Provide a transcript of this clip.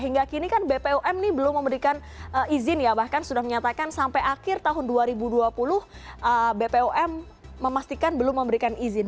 hingga kini kan bpom ini belum memberikan izin ya bahkan sudah menyatakan sampai akhir tahun dua ribu dua puluh bpom memastikan belum memberikan izin